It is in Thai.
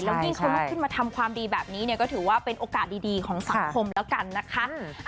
ยิ่งเขาลุกขึ้นมาทำความดีแบบนี้เนี่ยก็ถือว่าเป็นโอกาสดีของสังคมแล้วกันนะคะ